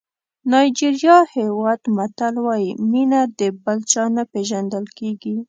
نایجېریا هېواد متل وایي مینه د بل چا نه پېژندل کېږي.